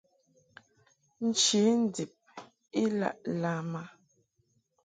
Nche ndib I laʼ lam a.